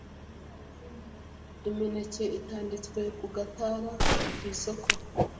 Imineke itanditswe ku gatara ku isoko